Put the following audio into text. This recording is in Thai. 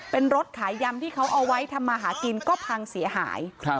เป็นรถขายยำที่เขาเอาไว้ทำมาหากินก็พังเสียหาย